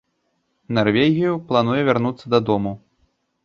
Нарвегію, плануе вярнуцца дадому.